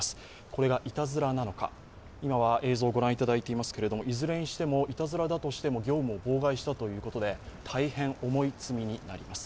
これがいたずらなのか、今は映像ご覧いただいていますけどいずれにしても、いたずらだとしても業務を妨害したということで大変重い罪になります。